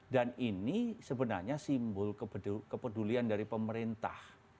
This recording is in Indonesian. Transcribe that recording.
dan ini sebenarnya simbol kepedulian dari pemerintah